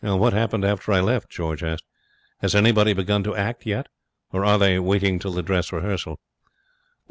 'What happened after I left?' George asked. 'Has anybody begun to act yet? Or are they waiting till the dress rehearsal?'